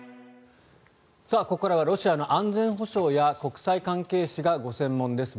ここからはロシアの安全保障や国際関係史がご専門です